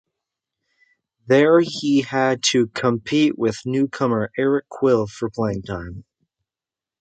There he had to compete with newcomer Eric Quill for playing time.